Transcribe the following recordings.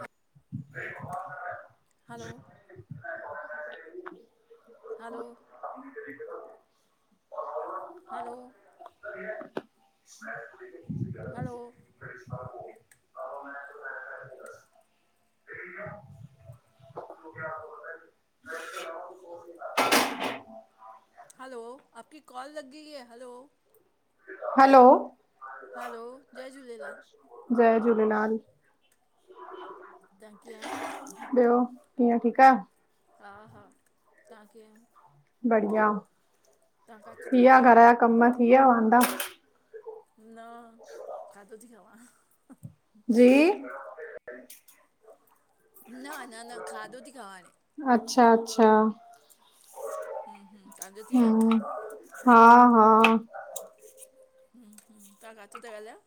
ह हलो, hello, hello [inaudible] hello [inaudible] हलो, आप की कॉल लग ॻई है हलो। हलो, हलो, जय झूलेलाल। जय झूलेलाल। तहां कीअं आयो। ॿियो कीअं ठीकु आयो। हा हा तव्हां कीअ आयो। बढिया, तव्हां थी किथां था वेया ॻाल्हायो घर जा कम थी वेया वांदा। न, खाधो थी खावां। जी, न न न न, खाधो थी खावां हाने। अच्छा अच्छा, हम्म हम्म तव्हांजो थी वियो हूं। हा हा। तव्हां काथा था ॻाल्हायो?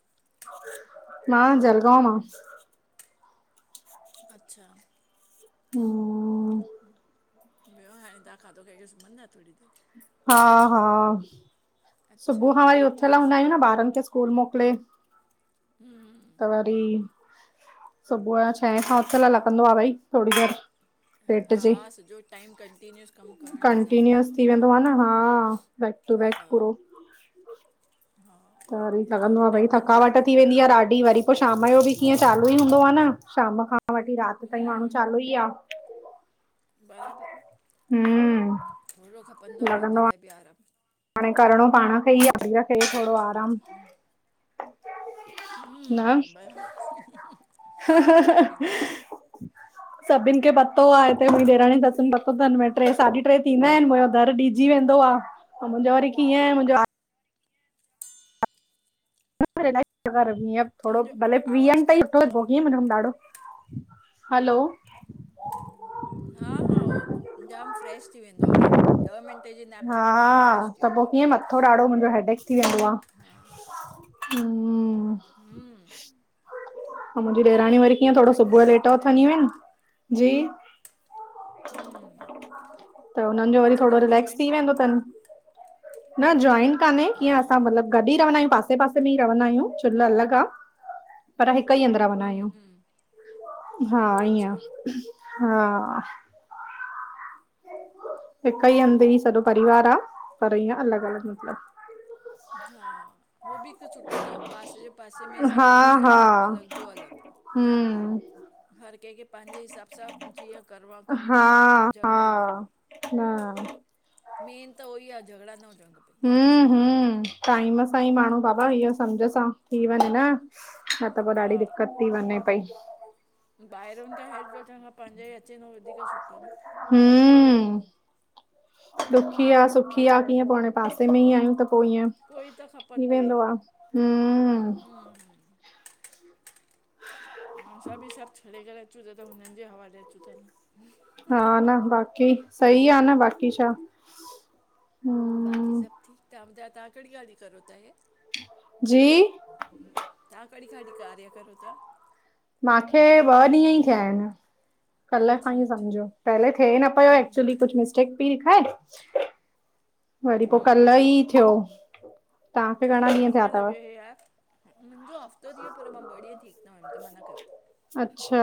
मां जलगांव मा अच्छा हा ॿियो हाणे तव्हां खाधो खाई करे सुमंदा आहियो थोड़ी देरि, हा हा अच्छा सुबुह खां वरी उथियल तव्हांजी हूंदा फ- आहियूं न ॿारनि खे स्कूल मोकिले? हम त वरी सुबुह या छहें खां उथियल लॻंदो आहे भई थोड़ी देरि हा सॼो टाइम कंटीन्यूअस कमु करणु मजाक न कंटीन्यूअस हूंदो आहे। [unintelligible] हा बैक टू बैक हा पूरो हा त वरी हे लॻंदो थोरो आहे भई टाइम पंहिंजे लाइ थकावट बि थी खपंदो वेंदी आहे ॾाढी वरी पोइ शाम जो बि कीअं चालू ई हूंदो आहे न शाम खां वठी राति ताईं माण्हू चालू हम्म ई आहे। बराबरि हू थोरो खपंदो आहे पंहिंजे लाइ बि आरामु हाणे करिणो पाण खे ई आहे शरीर खे थोड़ो आरामु। हम [inaudible] न हम भई सभिनि खे पतो आहे हिते मुंहिंज ॾेराणी [unintelligible] पतो [unintelligible] टे साढी टे थींदा आहिनि मुंहिंजो दर ॾिजी वेंदो आहे मुंहिंजो वरी कीअं आहे मुंहिंजो थोरो तव्हांजो भले आवाज़ [unintelligible] ताई क्रैक थी सुठो थिए कीअं ॾाढो हलो हा हा उह जाम फ्रेश थी वेंदो आहे हुन ॾह मिंटे जे गैप हा में बि माण्हू फ्रेश थी त वेंदो आहे। कीअं मथो पोइ ॾाढो मुंहिंजो हेडेक थी वेंदो आहे। हा हू हम त मुंहिंजी ॾेराणी वरी कीअं थोड़ो तव्हांखे सुबुह जो केतिरा लेट ॿार उथंदी आहिनि जी हम्म त हुननि जो वरी अच्छा थोड़ो तव्हांजी रिलेक्स जॉइंट थी वेंदो फैमिली आहे अथनि न जॉइन कान्हे हा कीअं असां मतिलब गॾु ई रहंदा आहियूं पासे हिते पासे में रहंदा आहियूं चुल अलॻ आहे। पर हिक ई हंद रहन्दा हम्म हम्म आहियूं हा अच्छा ईअं हा हिक ई हंद ई सॼो परिवार आहे पर अलॻ अलॻि मतिलब हा हो बि हिकु सुठो न पासे जे पासे में साण जो साण अलॻि जो अलॻि हम हर कंहिंखे पंहिंजे हिसाब सां जीअं करिणो आहे कमु बि हा करे झगड़ा ई न हा मेन त उहो ई आहे झगड़ा न खपनि बाक़ी हम सभु हलंदो हम टाइम सां ई माण्हू बाबा इहो समुझ सां थी वञे न। न त आहे पोइ हा ॾाढी दिकत थी वञे पई। ॿाहिरुनि खां हेल्प वठण खां पंहिंजे ई अचे थो वधीक सुठो न, हू ॾुखि आ, सुखि आ कीअं पो हाणे पासे में ई आयूं त, पो ईअं कोई त थी खपंदो ई वेंदो आहे आ, हम् हम्म असां बि सभ छॾे करे अचूं ता, त हुनन जे हवाले अचूं था न। हा न बाकी, सई आ न बाकी छा। बाक़ी हम्म सभु ठीक, तां ॿुधायो तां कॾीं खां वठी करो ता हे? जी तां कॾी खां वठी, कार्य करो ता? माखे, ॿ ॾींअ ई थ्या आएन। कल खां अच्छा ई अच्छा सम्झो, पहले थे न पयो एक्चुली कुछ मिस्टेक पी ॾिखाए हम् हम्, थियो तव्हांखे छो घणा तां खे ॾींहं थिया कीअं तव लॻे हे एप? मिंजो हफ़्तो थी यो, पर मां ॿ ॾींअं ठीक न हुयम, त मां न कयो। अच्छा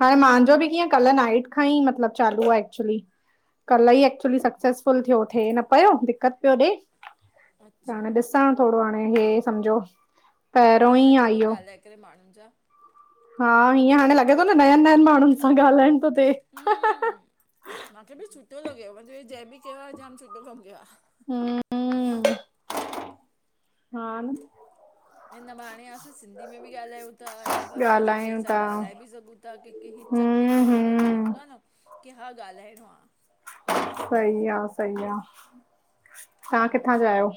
हाणे मांजो बि कीअं, कल नाइट खां ई, मतलब चालू आ एक्चुली। कल ई एक्चुली सक्सेसफुल थ्यो, थे न पयो दिक्कत पयो ॾे त हाणे अच्छा ॾिसां, थोड़ो हाणे हे सम्झ्यो कीअं लॻे थो, ॻालाए करे माणुन सां? हा, हीअं हाणे लॻे तो न नयन नयन माणुन सां, ॻालाएण तो थे। माखे बि सुठो लॻियो, मां च्यो हे जै बि कयो आ जाम सुठो कम कयो आ। हम् हा न हिन बहाणें असां सिंधी में बि ॻालायूं ता, हिन बहाने असां ॻाल्हायूं केंसां था ॻालाए बि सघूं ता। क क चक हम्म पेंदाएन कि मलब, हम्म हूंदो आ न, कि हा ॻालाएणो आ। सही आ सही आ, तां किथां हम्म जा आयो?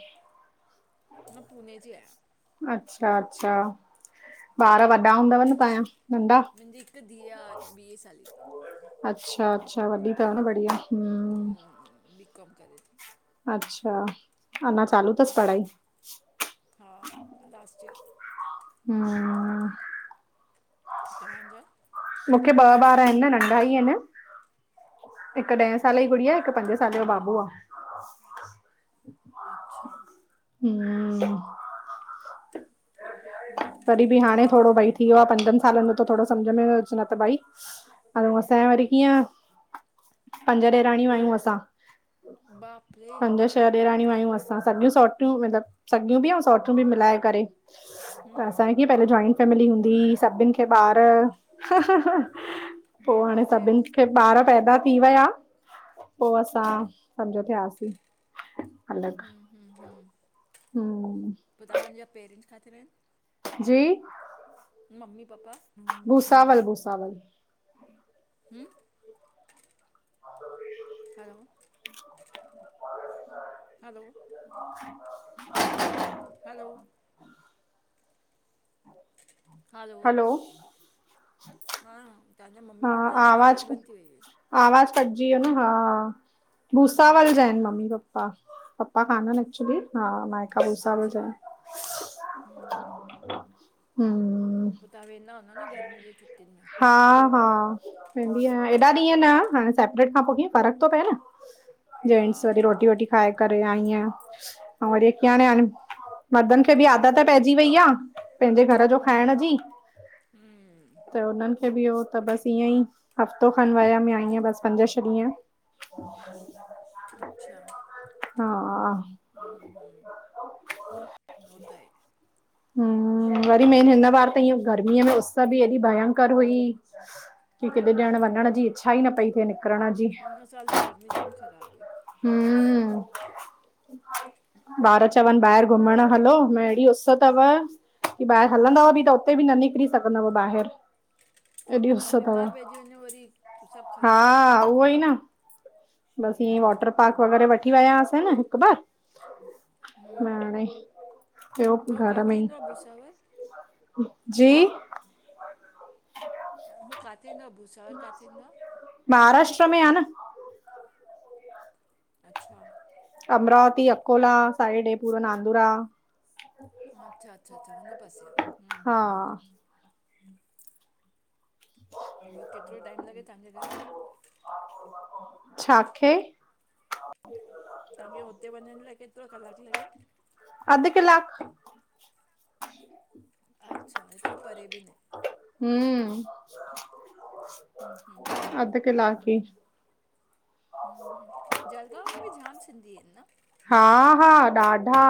मां, पुने जी आयां। अच्छा अच्छा, ॿार वॾ् ॾा हूंदव न तांझा, नंढा? मुंहिंजी हिकु धीउ आहे वीह साले जी अच्छा अच्छा, वॾी तव न, बढ़िया हम्म, हम्, बीकॉम करे ती। अच्छा, अञां चालू तस पढ़ाई? हा, लास्ट ईयर। हम् तवांजा? मुखे ॿ ॿार आएन, नंढा ई इन, हिक हम्म ॾए हम्म सालें जी गुड़िया, हिक पंज साल साल जो बाबू आ। अच्छा हं तॾी बि हाणें थोड़ो भई थी वियो आ पंजन सालन में त थोड़ो सम्झ में अचे, न त भाई, ऐं असांजे वरी कीअं पंज ॾेराणियूं आयूं असां। बाप रे पंज छह ॾेराणियूं आयूं असां, सॻियूं सोट्रियूं मलब सॻियूं बि ऐं सोट्रियूं बि, मिलाए करे त हम्म असां, हम्म किअं पेले जाॅइंट फैमिली हूंदी ही, सभिन खे ॿार, पो बाप हाणे रे सभिन खे ॿार पैदा थी वया, पो असां, सम्झो थियासीं अलॻि हुं हुं हुं, हम्म पो तांजा पेरेंट्स काथे रएन? जी, ममी पापा, भूसावल भुसावल। हूं, हलो। हलो। [inaudible] हलो। हलो। हा तहांजा ममी पापा आया या आवाज बंद थी वई हुई। आवाज़ कटजी वियो न हा भूसावल जा हूं आहिनि मम्मी प पा पपा कान अहिनि एक्चुली हा मा अ भुसासावल जा अच्छा आयूं हूं हूं। पो तहां वेंदा हूंदा न गर्मीन जी छुट्टियुनि में। हा, हा वेंदी आयां, हेॾा ॾींहं ना हाणे सेपरेट खां पो जीअं फ़र्क थो पए न। हा जेंट्स वरी रोटी वोटी खाए करे आई आयां। अऊं वरी हिक हाणे हे मर्दनि खे बि आदत पइजी वेई आ। पेंजे घर जो खाइण जी हूं त हुननि खे बि इहो त बस ईअं ई हफ़्तो खनि वियम ईंयं बस पंज छह ॾींहं [inaudible] अच्छा। हा, हूं हो त आए। हूं वरी मेन हिन बार त इअं गर्मीअ में उस बि हेॾी भयंकर हुई। की किॾे डेयण वञण जी इच्छा ई न पई थे। हिन साल जी गर्मी जाम ख़राबु हुई। हूं, ॿार चवनि ॿाहिर घुमण हलो भ ड़ी उस पतो तव की ॿाहिर हलंदव बि त उते बि न निकिरी सघंदव ॿाहिर। एॾी उस ऐं तव, बीमार पइजी वञो वरी सभु हा ख़राबु थी वेंदो आहे उहो ई न। बसि ईअ हूं वॉटर पार्क वग़ैरा वठी विया हुआसे न हिक बार। हूं न हाणे, हूं ॿियो त हो घर में किथे ई। ईंदो आहे भुसावर जी, हू काथे ईंदो आ, भूसावल काथे ईंदो आ? महाराष्ट्र में आ न। अच्छा। अमरावती अकोला साइड ऐं पूरो नांदुरा। अच्छा अच्छा अच्छा हुन पासे आ, हूं हा हूं हूं। ओ किथे टाइम लॻे तव्हांजे घर उतां। छा, खेे। तव्हांखे हुते वञण लाइ केतिरो कलाक लॻे। अधु क्लाक। अच्छा एतिरो परे बि न आहे। हूं, हम्म हम्म अध कलाक ई हु हु, जलगांव में भी ॼाम सिंधी अहन न? हा हा ॾाढा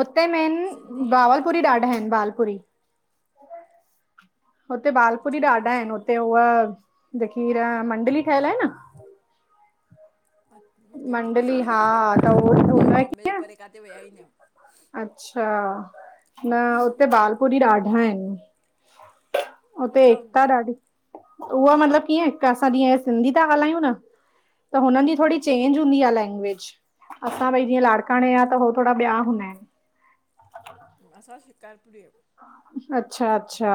हुते मेन सिंधी ॿावलपुरी मारवाड़ी ॾाढा आहिनि ॿालपुरी। हुते बालपुरी अच्छा हो ॾाढा छा आहिनि हुते उअ जेकी ह मंडली ठहयल आहे न अ मूंखे मंडली असांखे हा नाहे ख़बर असां त उहो पूने ऐं हुन बॉम्बे जे कीअं परे काथे विया ही न आहियूं। अच्छा न हुते बालपुरी ॾाढा आहिनि। हू उते छा हूंदो एकता आहे ॾाढी उहा मतलब कीअं असां जीअं सिंधी था ॻाल्हायूं न त हुननि जी थोड़ी चेंज हूंदी आ लैंग्वेज असां भई जीअं लाड़काणे जा त हो थोड़ा ॿिया हूंदा आहिन। असां शिकारपुरी अयू। अच्छा अच्छा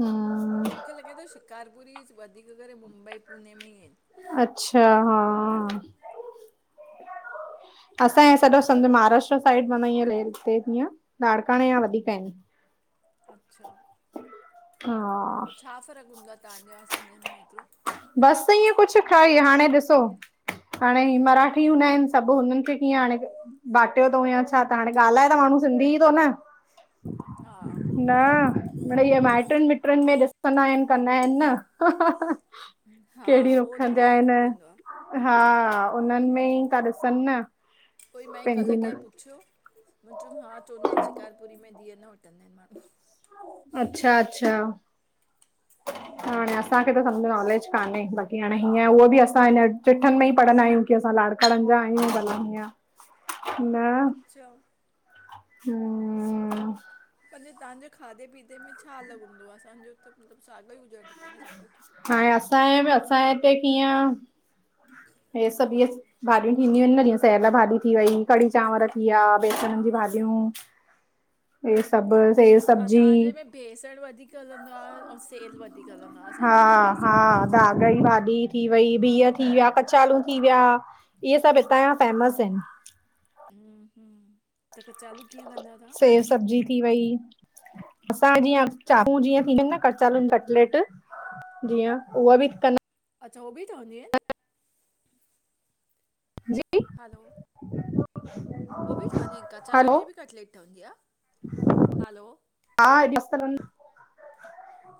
हम्म त मूंखे लॻे थो शिकारपुरी वधीक करे मुंबई, पुने में ही आहिंन। अच्छा हा हा त! असांजे सॼो समुझ महाराष्ट्र साइॾ मन ईअं हितअं लाड़काणे या वधीक आहिनि। अच्छा हा पो छा फ़र्क़ हूंदो आ तव्हांजा असांजे में हेतिरो? बस ईएंं कुझ खाई हाणे ॾिसो हाणे ही मराठी हूंदा आहिंन सभ हुननि खे कीअं हाणे बाटियो तऊ या छा त हाणे ॻाल्हाए त माण्हू सिंधी थो न। हा न मीणइ माइटनि मिटृन में ॾिसंदा आहिन कंदा आहिन न। हा केहड़ी उहो नूख हुन जा लाइ खपंदो आ अहन हा उन्हनि में ही ता ॾिसन न। कोई मइ कल पंहिंजी न कंहिं पुछियो मुं चयो हा चवंदा आहिंन शिकारपुरी में धीअ न वठ वठन्दा आहिंन मांण्हू। अच्छा अच्छा हाणे असांखे त समझ नॉलेज कान्हे। बाक़ी हाणे हीअं उहो बि असां हिन चिठन में ही पढ़ंदा आहियूं। की असां लाणकाणिनि जा आहियूं भला हीअं न अच्छा हम्म पंहिंजे तव्हांजे खाधे पीते में छा अलॻि हूंदो आ? असांजो त मतलबु सागियो ई हुजण खपे न सब कुछ। हाण असांजे मे असांजे हिते कीअं [inaudible] [unintelligible] हीअ सब इहे भाॼियूं थींदियूं आहिन न जीअं सेयल भाॼी थी वई कढ़ी चांवर थी विया हा बेसण जी भाॼियूं हे सब सेल हा सब्जी तव्हांजे में बेसण वधीक हलंदो आ अऊ सेयल वधीक हलंदो आ हा हा दाॻई भाॼी थी वई, बिह थी विया, हम्म कचालू थी विया, इहे सभ हितां जा फेमस आहिंन। हम्म हम्म त चालू कीअं कंदा आयो? सेल सब्जी थी वई। असां जीअं चापू जीअं थींदियूं आहिन न कचालून कटलेट जीअ उहा बि कं अच्छा उहे ॿि ठहंदियूं आहिन? जी हेलो हो बि ठहंदी इन कचालून हलो जी बि कटलेट ठहंदी आ? हेलो हा मस्त लॻं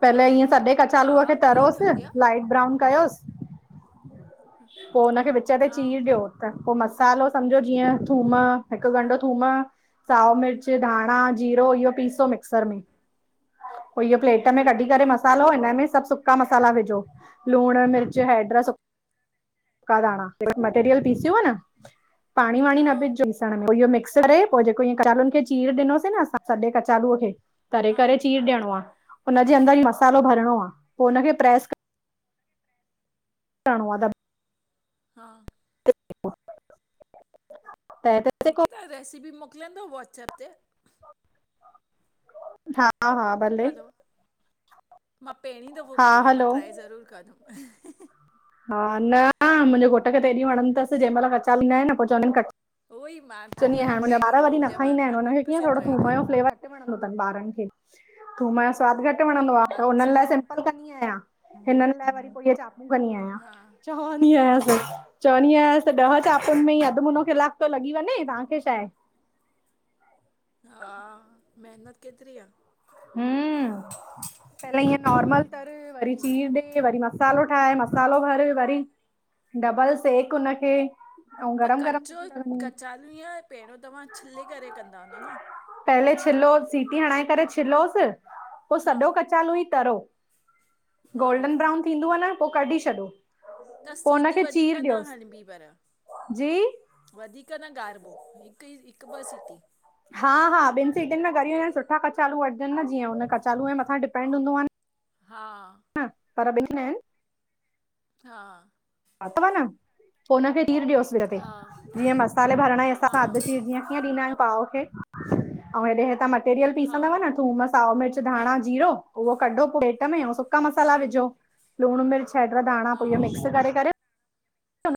पहले इअं सॼे कचालूअ खे हा, कीअं तरोस ठहंदी आ? लाइट ब्राउन कयोस पोइ हुनखे विच ते हा, चीर ॾियो त पोइ मस्त मसालो, सम्झो जीअं थूम हिकु ॻंढ थूम साओ मिर्च, धाणा, जीरो इहो पीसो मिक्सर में पोइ इह प्लेट में कढी करे हा, मसालो हिन में सभु सु सुका मसाला विझो लूड़, मिर्च, हैड सुका धाणा, मटेरियल पीसीओ न पाणी वाणी न हा, बिझजोस पोइ इहो मिक्स करे, पोइ जेको इ कचालूुनि खे चीर ॾिनोसीं न असां सॼे कचालूअ खे तरे हा, करे चीर ॾियणो आ। हुनजे अंदर ई मसालो भरणो आ पोइ हुनखे प्रेस करणो आ। हा। त तै ते सेको [unintelligible] तहां, रेसिपी मोकिलीदव व्हॉट्सअप ते? हा हा। भले हलो, मां पहिरीं दफ़ो हा ॿुधियो आ मां हलो ट्राए ज़रूरु कंदुमि। हा न मुंहिंजे घोट खे त हेॾी वणंद अथसि जंहिं महिल हर साल ईंदा आहिन न पोइ चवंदानि कच उहो ई मां चयमि चईंदी न हाणे मां मुंहिंजा पहिरीं ॿार दफ़ो वरी न ॿुधो आ, मां खाईंदा आहिन हुनखे हंड्रेड कीअं परसेंट थोरो थूम ट्राए जो कंदमि। फ़्लेवर घटि वणंदो अथनि ॿारनि खे, थूम जो सवादु घटि वणंदो आ त हुनन्हनि अच्छा। लाइ सिंपल कंदी आहियां। हिननि लाइ, वरी पोइ इहे चापू कंदी आहियां। हा। चवंदी अयांसि चवंदी अयांसि ॾह चापुनि में ई अधु मुनो कलाकु तो लॻी वञे तव्हांखे छा आहे। हा, मेहनत केतिरी आ। हं, पहले इअं नोर्मल हम्म, तर वरी चीर ॾे, वरी मसालो ठाहे मसालो भर वरी डबल सेक हुनखे। ऐं पर गरम गरम कचो सुठी लॻंदी आहिनि कचालू, इअं पहिरियों तव्हां छिले करे कंदा हूंदा न? पहले छिलोस सीटी हणाए करे छिलोसि पो हा, सॼो क चालू ई तरो हा, गोल्डन ब्राउन थींदो आ न पोइ कडी छॾो। त पो सीटी हुनखे वधीक चीर न ॾियोसि हड़ंबी पर जी वधीक न ॻारिबो हिकु ई हिकु ॿ सीटी हा हा ॿिनि सीटनि में ॻरी विया आहिन, सुठा कचालू वठजनि न जीअं हुन कचालू जे मथां डिपेंड हूंदो आ न। हा। ह पर ॿिन मेआहिन। हा। अथव न? पोइ हुनखे, चीर ॾियोसि सिर ते हा जीअं मसाले भरण ॼे हिसाब सां हा अध चीर जीअं कीअं ॾींदा आहियूं पाव खे ऐं हेॾे हेतां मटेरियल पीसंदव न हा थूमस् साओ मिर्च, धाणा, जीरो उहो कढो प्लेट में ऐं सु सुका हा मसाला विझो लुणु मिर्च, हेैड, धाणा पोइ इह हा मिक्स करे-करे